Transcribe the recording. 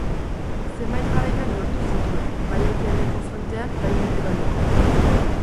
Zenbait garaipen lortu zituen, bai ekialdeko frontean, bai mendebaldekoan.